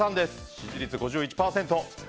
支持率５１％。